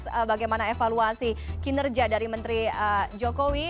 kita akan bahas bagaimana evaluasi kinerja dari menteri jokowi